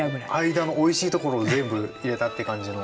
間のおいしいところを全部入れたって感じの。